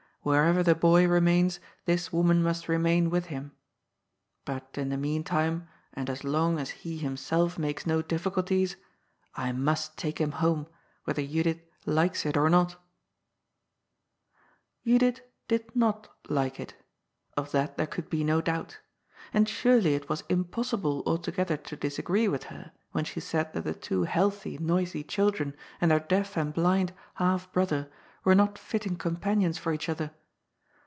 ^' Wherever the boy remains, this woman must remain with him. But in the meantime, and as long as he himself makes no difficulties, I must take him home, whether Judith likes it or not" Judith did not like it. Of that there could be no doubt. And surely it was impossible altogether to disagree with her when she said that the two healthy, noisy children and their deaf and blind half brother were not fitting companions for each other.